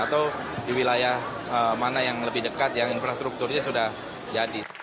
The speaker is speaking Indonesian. atau di wilayah mana yang lebih dekat yang infrastrukturnya sudah jadi